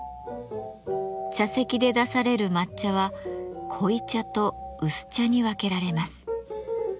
茶席で出される抹茶は濃茶と薄茶に分けられます。